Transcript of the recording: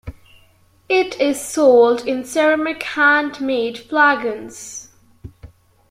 It is sold in ceramic handmade flagons.